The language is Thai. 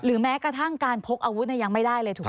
แม้กระทั่งการพกอาวุธยังไม่ได้เลยถูกไหม